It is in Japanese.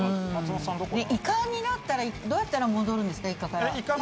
イカになったらどうやって戻るんですか。